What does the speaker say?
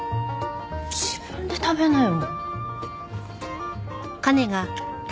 自分で食べなよ。